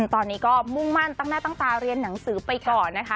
ตอนนี้ก็มุ่งมั่นตั้งหน้าตั้งตาเรียนหนังสือไปก่อนนะคะ